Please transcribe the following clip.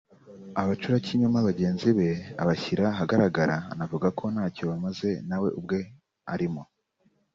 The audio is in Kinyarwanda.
abacurakinyoma bagenzi be abashyira ahagaragara anavuga ko ntacyo bamaze nawe ubwe arimo